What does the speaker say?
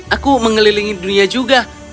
aku mengelilingi dunia juga